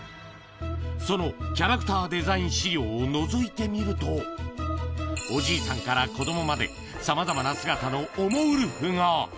そのキャラクターデザイン資料をのぞいてみると、おじいさんから子どもまで、さまざまな姿のおもウルフが。